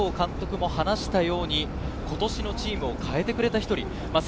佐藤監督も話したように今年のチームを変えてくれた１人。